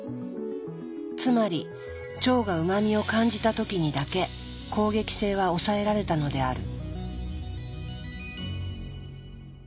つまり腸がうま味を感じたときにだけ攻撃性は抑えられたのである。